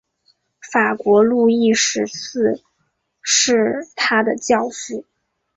法国路易十四是他的教父。